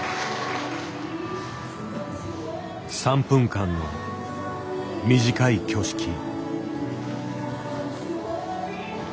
３分間の短い挙式。